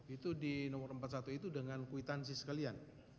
itu di nomor empat puluh satu itu dengan kwitansi sekalian